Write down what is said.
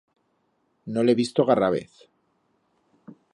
No l'he visto garra vez.